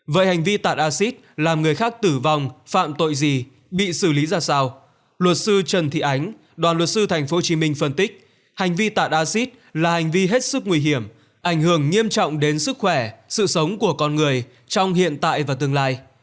vậy hành vi tạt acid làm người khác tử vong phạm tội gì bị xử lý ra sao luật sư trần thị ánh đoàn luật sư tp hcm phân tích hành vi tạ acid là hành vi hết sức nguy hiểm ảnh hưởng nghiêm trọng đến sức khỏe sự sống của con người trong hiện tại và tương lai